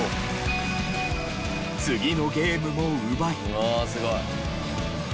次のゲームも奪い。